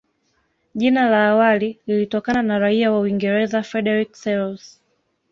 Jina la awali lilitokana na raia wa Uingereza Frederick Selous